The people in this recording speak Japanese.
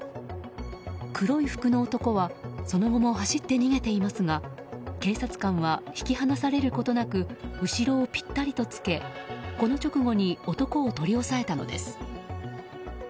黒い服の男はその後も走って逃げていますが警察官は引き離されることなく後ろをぴったりとつけこの直後に男を取り押さえたのです。